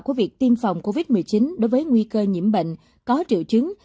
của việc tiêm phòng covid một mươi chín đối với nguy cơ nhiễm bệnh có triệu chứng